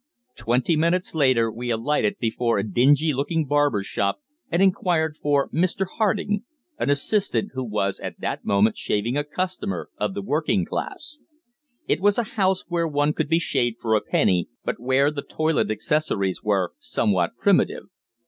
Twenty minutes later we alighted before a dingy looking barber's shop and inquired for Mr. Harding an assistant who was at that moment shaving a customer of the working class. It was a house where one could be shaved for a penny, but where the toilet accessories were somewhat primitive.